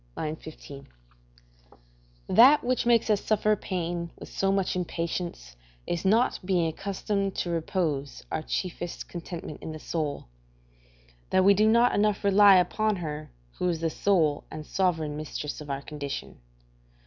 i. 15.] That which makes us suffer pain with so much impatience is the not being accustomed to repose our chiefest contentment in the soul; that we do not enough rely upon her who is the sole and sovereign mistress of our condition.